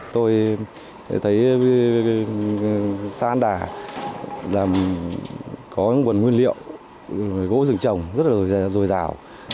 tôi thấy xã hán đà có nguồn nguyên liệu gỗ rừng trồng rất là dồi dào